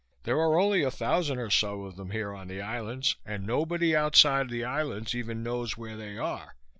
"There are only a thousand or so of them here on the Islands, and nobody outside the Islands even knows where they are.